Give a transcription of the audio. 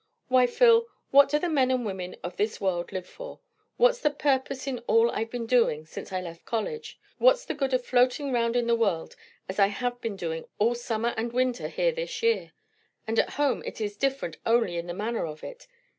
Why, Phil, what do the men and women of this world live for? What's the purpose in all I've been doing since I left college? What's the good of floating round in the world as I have been doing all summer and winter here this year? and at home it is different only in the manner of it.